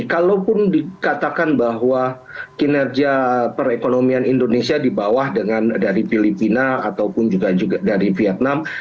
kalaupun dikatakan bahwa kinerja perekonomian indonesia di bawah dengan dari filipina ataupun juga dari vietnam